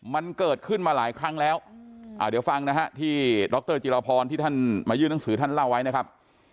มันเกิดขึ้นมาหลายครั้งแล้วเดี๋ยวฟังนะฮะที่ดรจิรพรที่ท่านมายื่นหนังสือท่านเล่าไว้นะครับ